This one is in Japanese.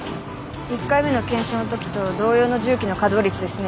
１回目の検証のときと同様の重機の稼働率ですね。